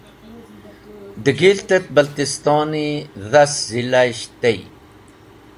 De Gilt et Baltistoni dhas Zila’isht tey